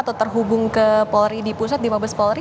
atau terhubung ke polri di pusat di mabes polri